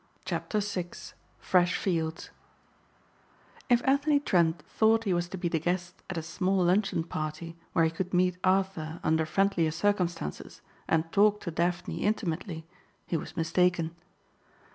CHAPTER SIX FRESH FIELDS If Anthony Trent thought he was to be the guest at a small luncheon party where he could meet Arthur under friendlier circumstances and talk to Daphne intimately, he was mistaken.